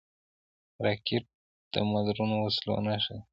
راکټ د مدرنو وسلو نښه ده